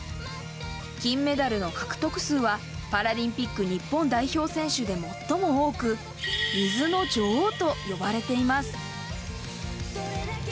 金メダルの獲得数は、パラリンピック日本代表選手で最も多く、水の女王と呼ばれています。